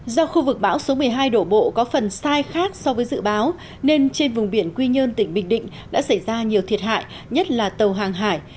do khu vực bão số một mươi hai đổ bộ có phần sai khác so với dự báo nên trên vùng biển quy nhơn tỉnh bình định đã xảy ra nhiều thiệt hại nhất là tàu hàng hải